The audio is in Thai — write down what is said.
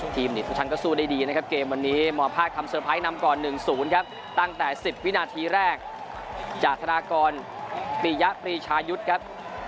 ทุกชั้นก็สู้ได้ดีนะครับเกมวันนี้หมอภาคทำเซอร์ไพรส์นำก่อน๑๐ครับตั้งแต่๑๐วินาทีแรกจากธนากรปิยะปรีชายุทธ์ครับ